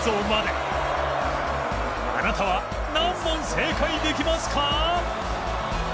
あなたは何問正解できますか？